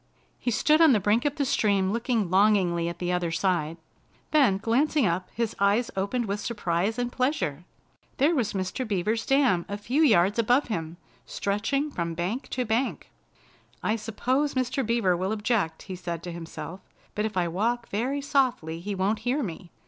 He stood on the brink of the stream looking longingly at the other side. Then, glancing up, his eyes opened with surprise and pleasure. There was Mr. Beaver's dam a few yards above him, stretching from bank to bank. "I suppose Mr. Beaver will object," he said to himself, "but if I walk very softly he won't hear me.